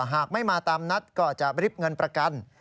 หากไม่มาตามนัดก็จะริบเงินประกัน